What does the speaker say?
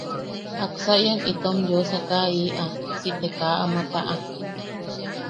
¿Jaksa ian itom yeu sakaaʼiʼa si te kaa ama taʼa?